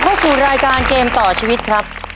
เข้าสู่รายการเกมต่อชีวิตครับ